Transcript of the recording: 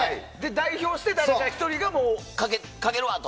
代表して誰か１人がかけるわって。